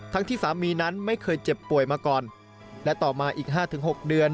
ที่สามีนั้นไม่เคยเจ็บป่วยมาก่อนและต่อมาอีกห้าถึงหกเดือน